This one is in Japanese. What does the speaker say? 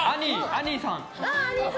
アニーさん。